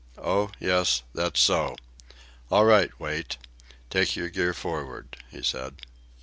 "Oh, yes; that's so. All right, Wait. Take your gear forward," he said.